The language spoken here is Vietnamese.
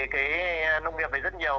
cái nông nghiệp này rất nhiều